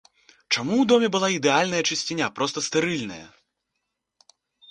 Чаму ў доме была ідэальная чысціня, проста стэрыльная?